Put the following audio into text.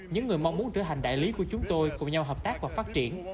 những người mong muốn trở thành đại lý của chúng tôi cùng nhau hợp tác và phát triển